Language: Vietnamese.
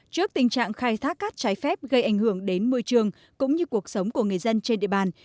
trước tình trạng khai thác cát trái phép gây ảnh hưởng đến môi trường cũng như cuộc sống của người dân trên địa bàn